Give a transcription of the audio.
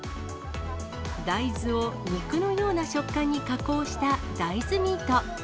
大豆を肉のような食感に加工した大豆ミート。